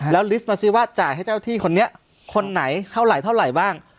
แล้วลิสต์มาซิว่าจ่ายให้เจ้าที่คนนี้คนไหนเท่าไหรเท่าไหร่บ้าง